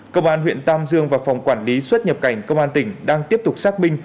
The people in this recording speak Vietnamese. công an huyện tam dương và phòng quản lý xuất nhập cảnh công an tỉnh đang tiếp tục xác minh